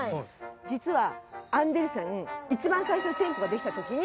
実はアンデルセン一番最初店舗ができたときに。